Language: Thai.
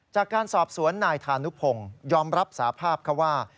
จากการสอบสวนนายธานุพงศ์ยอมรับสาภาพเขาว่า